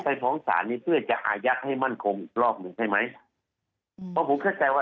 เพราะถ้าอายัดแล้วก็คือจบแล้วไม่ต้องห่วงแล้ว